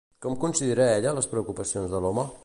Com considera ella les preocupacions de l'home?